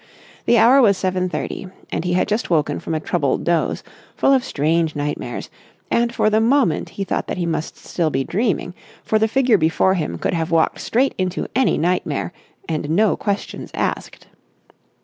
The hour was seven thirty, and he had just woken from a troubled doze, full of strange nightmares, and for the moment he thought that he must still be dreaming, for the figure before him could have walked straight into any nightmare and no questions asked.